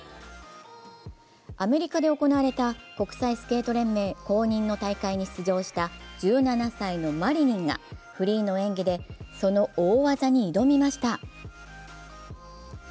アメリカで行われた国際スケート連盟公認の大会に出場した１７歳のマリニンがフリーの演技でその大技に挑みました。